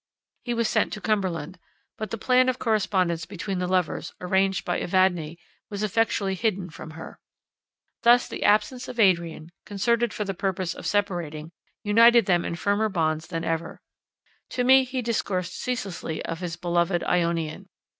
He was sent to Cumberland; but the plan of correspondence between the lovers, arranged by Evadne, was effectually hidden from her. Thus the absence of Adrian, concerted for the purpose of separating, united them in firmer bonds than ever. To me he discoursed ceaselessly of his beloved Ionian.